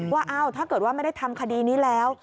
ว่าถ้าเกิดว่าไม่ได้ทำคดีนี้แล้ว